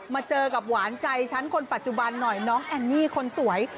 มาเจอกับหวานใจฉันคนปัจจุบันหน่อยน้องแอนนี่คนสวย